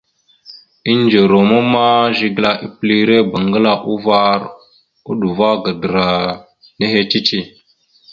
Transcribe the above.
Indze ruma ma Zigəla epilire bangəla uvar a, uɗuva gadəra nehe cici.